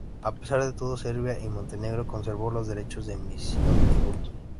A pesar de todo, Serbia y Montenegro conservó los derechos de emisión y voto.